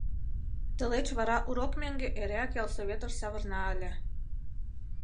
Тылеч вара урок мӧҥгӧ эреак ялсоветыш савырна ыле.